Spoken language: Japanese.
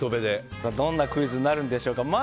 どんなクイズになるんでしょうか。